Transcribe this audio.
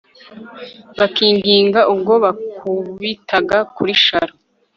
bakinginga ubwo bamukubitaga kuri sharo